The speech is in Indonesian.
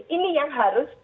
ini yang harus